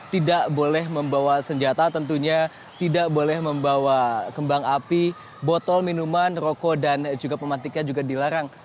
tidak boleh membawa senjata tentunya tidak boleh membawa kembang api botol minuman rokok dan juga pematiknya juga dilarang